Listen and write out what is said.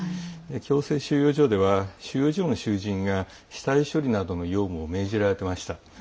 強制収容所では収容所の囚人が死体処理などの用務を命じられていました。